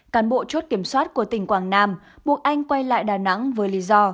cán bộ chốt kiểm soát của tỉnh quảng nam buộc anh quay lại đà nẵng với lý do